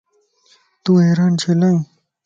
تون حيران ڇيلاٿين؟